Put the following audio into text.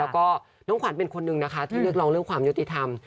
แล้วก็น้องขวัญเป็นคนนึงนะคะที่เรียกร้องเรื่องความยุติธรรม